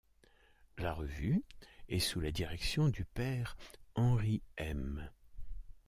La revue est sous la direction du père Henri-M.